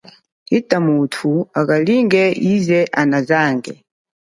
Hita muthu alinge ize anazanga.